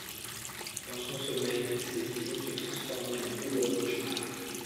Dans son sommeil, ces visions se transformaient en douloureux cauchemars.